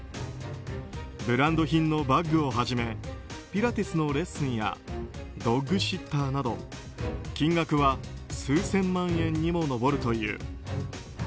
ブランド品のバッグをはじめピラティスのレッスンやドッグシッターなど金額は数千万円に上るという。